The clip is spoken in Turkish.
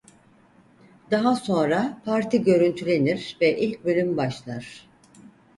Daha sonra parti görüntülenir ve ilk bölüm başlar.